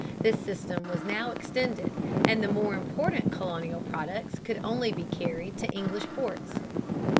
This system was now extended, and the more important colonial products could be carried only to English ports.